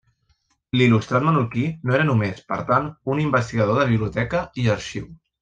L'il·lustrat menorquí no era només, per tant, un investigador de biblioteca i arxiu.